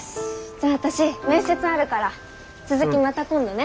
じゃあ私面接あるから続きまた今度ね。